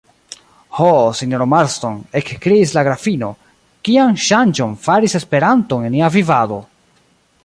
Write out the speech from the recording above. Ho, sinjoro Marston, ekkriis la grafino, kian ŝanĝon faris Esperanto en nia vivado!